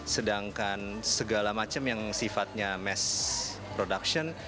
sedangkan segala macam yang sifatnya mass production